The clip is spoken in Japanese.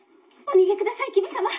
お逃げください黍様。